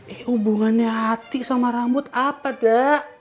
eh hubungannya hati sama rambut apa dak